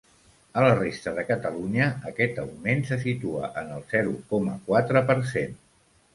A la resta de Catalunya, aquest augment se situa en el zero coma quatre per cent.